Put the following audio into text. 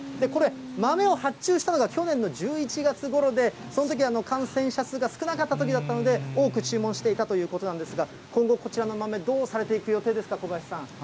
これ、豆を発注したのが去年の１１月ごろで、そのときは、もう感染者数が少なかったときだったので、多く注文していたということなんですが、今後、こちらの豆、どうされていく予定ですか？